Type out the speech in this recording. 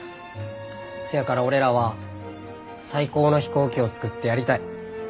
せやから俺らは最高の飛行機を作ってやりたい。